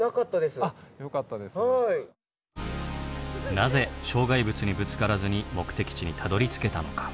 なぜ障害物にぶつからずに目的地にたどりつけたのか？